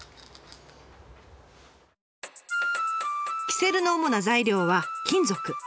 キセルの主な材料は金属。